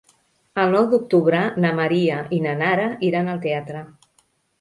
El nou d'octubre na Maria i na Nara iran al teatre.